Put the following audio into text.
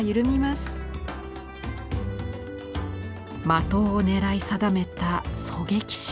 的を狙い定めた狙撃手。